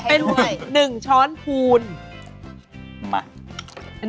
เป็น๑ช้อนพูล